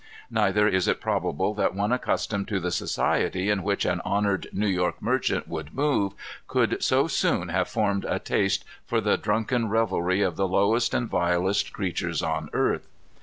Neither is it probable that one accustomed to the society in which an honored New York merchant would move, could so soon have formed a taste for the drunken revelry of the lowest and vilest creatures on earth.